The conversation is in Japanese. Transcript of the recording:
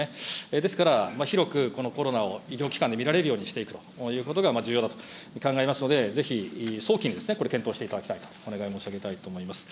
ですから、広くこのコロナを医療機関で診られるようにしていくということが重要だと考えますので、ぜひ早期に、これ、検討していただきたいとお願い申し上げたいと思います。